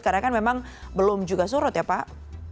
karena kan memang belum juga surut ya pak